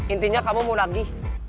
intinya kamu mau lagi